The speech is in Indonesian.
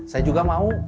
saya juga mau